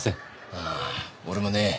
ああ俺もね